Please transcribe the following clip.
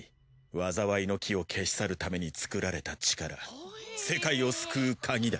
災いの樹を消し去るために作られた力世界を救う鍵だ。